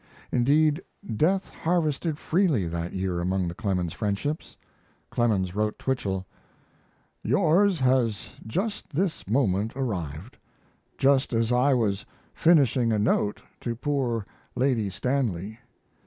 Indeed, death harvested freely that year among the Clemens friendships. Clemens wrote Twichell: Yours has just this moment arrived just as I was finishing a note to poor Lady Stanley.